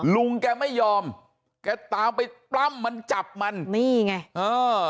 ลุงแกไม่ยอมแกตามไปปล้ำมันจับมันนี่ไงเออ